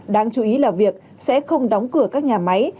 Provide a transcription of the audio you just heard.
đáng chú ý là việc sẽ không đóng cửa các nhà máy